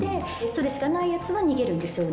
ストレスがないやつは逃げるんですよ